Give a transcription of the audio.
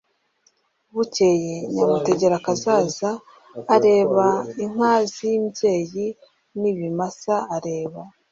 Bukeye Nyamutegerakazaza areba inka z imbyeyi n ibimasa areba